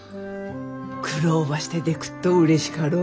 苦労ばしてでくっとうれしかろ？